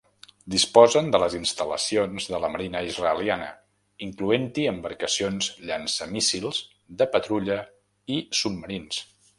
Disposen de les instal·lacions de la Marina israeliana, incloent-hi embarcacions llançamíssils, de patrulla, i submarins.